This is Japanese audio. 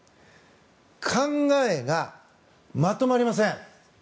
考えがまとまりません。